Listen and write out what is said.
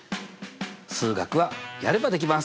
数学はやればできます！